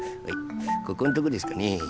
ここんとこですかね？